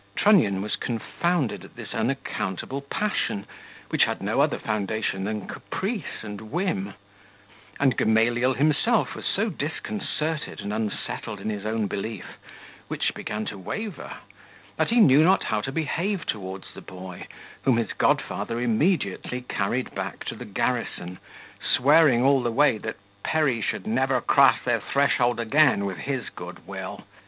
Trunnion was confounded at this unaccountable passion, which had no other foundation than caprice and whim; and Gamaliel himself was so disconcerted and unsettled in his own belief, which began to waver, that he knew not how to behave towards the boy, whom his godfather immediately carried back to the garrison, swearing all the way that Perry should never cross their threshold again with his good will.